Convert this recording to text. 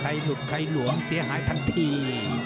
ขายหลุดขายหลวงเสียหายทันที